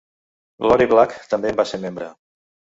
Lori Black també en va ser membre.